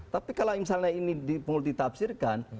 tapi kalau misalnya ini multitafsirkan